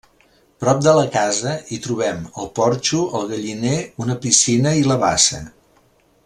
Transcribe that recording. Prop de la casa hi trobem el porxo, el galliner, una piscina i la bassa.